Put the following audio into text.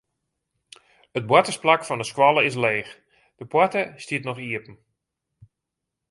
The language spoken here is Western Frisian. It boartersplak fan de skoalle is leech, de poarte stiet noch iepen.